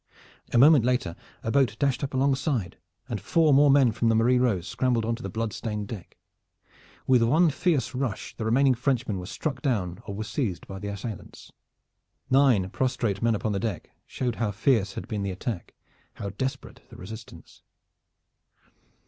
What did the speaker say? A moment later a boat dashed up alongside and four more men from the Marie Rose scrambled on to the blood stained deck. With one fierce rush the remaining Frenchmen were struck down or were seized by their assailants. Nine prostrate men upon the deck showed how fierce had been the attack, how desperate the resistance.